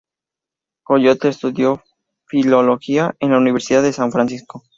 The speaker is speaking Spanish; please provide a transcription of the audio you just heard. Coyote estudió filología en la Universidad de San Francisco.